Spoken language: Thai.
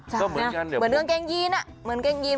เหมือนเรื่องเบอร์แกงยีน